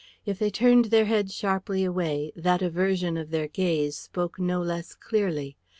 If they turned their heads sharply away, that aversion of their gaze spoke no less clearly.